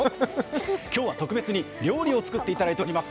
今日は特別に料理を作っていただいております